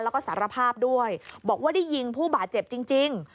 แล้วก็สารภาพด้วยบอกว่าได้ยิงผู้บาดเจ็บจริง